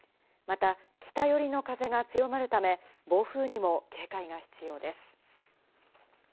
また北寄りの風が強まるため、暴風にも警戒が必要です。